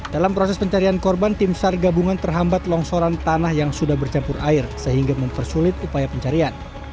dalam proses pencarian korban tim sar gabungan terhambat longsoran tanah yang sudah bercampur air sehingga mempersulit upaya pencarian